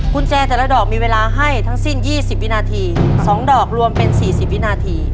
คุณแจแต่ละดอกมีเวลาให้ทั้งสิ้น๒๐วินาที๒ดอกรวมเป็น๔๐วินาที